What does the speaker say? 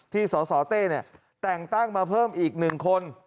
ที่สสเต้เนี่ยแต่งตั้งมาเพิ่มอีก๑คน